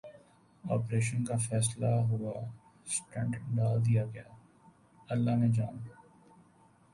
operation کا فیصلہ ہوا سٹنٹ ڈال دیا گیا اللہ نے جان